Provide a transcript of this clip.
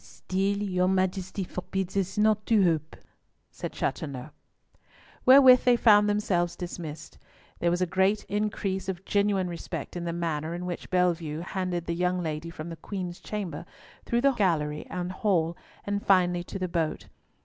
"Still your Majesty forbids us not to hope," said Chateauneuf. Wherewith they found themselves dismissed. There was a great increase of genuine respect in the manner in which Bellievre handed the young lady from the Queen's chamber through the gallery and hall, and finally to the boat.